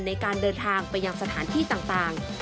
ในการเดินทางไปยังสถานที่ต่าง